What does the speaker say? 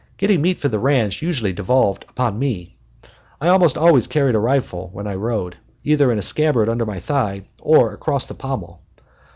Getting meat for the ranch usually devolved upon me. I almost always carried a rifle when I rode, either in a scabbard under my thigh, or across the pommel.